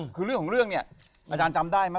คือเรื่องของเรื่องเนี่ยอาจารย์จำได้ไหม